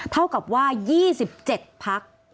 เท่ากับว่า๒๗พัก